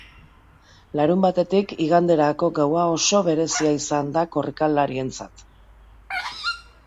Larunbatetik iganderako gaua oso berezia izan da korrikalarientzat.